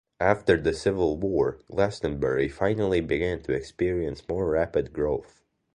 After the Civil War, Glastenbury finally began to experience more rapid growth.